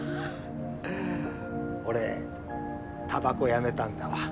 俺タバコやめたんだわ。